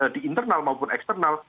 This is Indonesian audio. di internal maupun eksternal